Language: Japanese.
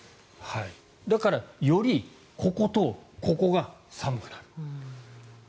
だからより、こことここが寒くなる。